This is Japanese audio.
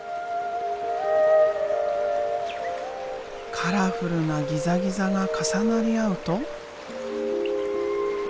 カラフルなギザギザが重なり合うと。